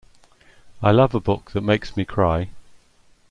I love a book that makes me cry.